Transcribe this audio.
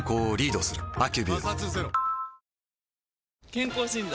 健康診断？